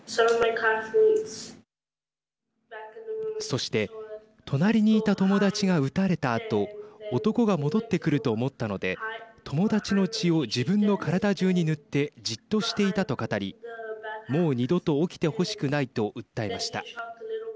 そして隣にいた友達が撃たれたあと男が戻ってくると思ったので友達の血を自分の体中に塗ってじっとしていたと語りもう二度と起きてほしくないと訴えました。